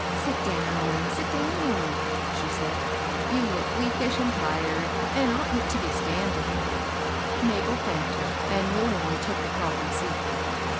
" Sit down — sit down !" she said. " You look weakish and tired, and oughtn't to be stand ing." ABISTOCBACT. 813 Mabel thanked her, and willmgly took the prof fered seat.